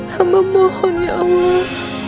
hamba mohon ya allah